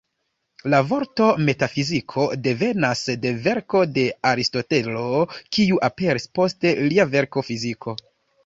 La vorto "metafiziko" devenas de verko de Aristotelo, kiu aperis "post" lia verko "fiziko".